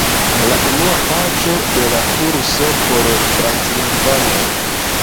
La unua paĝo de la kurso por franclingvanoj.